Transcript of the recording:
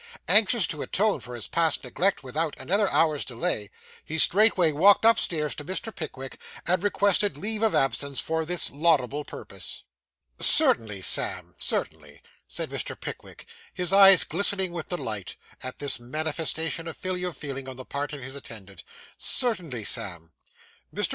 Anxious to atone for his past neglect without another hour's delay, he straightway walked upstairs to Mr. Pickwick, and requested leave of absence for this laudable purpose. 'Certainly, Sam, certainly,' said Mr. Pickwick, his eyes glistening with delight at this manifestation of filial feeling on the part of his attendant; 'certainly, Sam.' Mr.